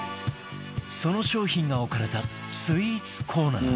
その商品が置かれたスイーツコーナー